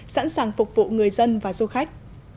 sẵn sàng phục vụ người dân và du khách